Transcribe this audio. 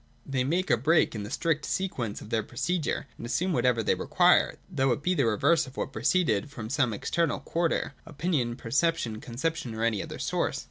They make a break in the strict sequence of their procedure, and assume whatever they require, though it be the reverse of what preceded, from some external quarter, — opinion, perception, conception or any other source.